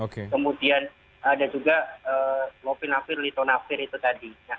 kemudian ada juga lopinavir litonavir itu tadi